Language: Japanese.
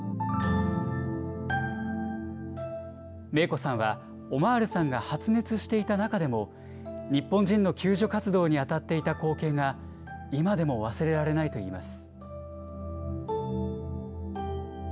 明子さんは、オマールさんが発熱していた中でも、日本人の救助活動に当たっていた光景が、今でも忘れられないといいます。